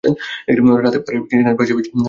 রাতে পাহাড়ের কিনারে বাশের বেঞ্চে বসে আছি।